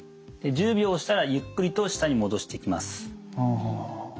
で１０秒したらゆっくりと下に戻していきます。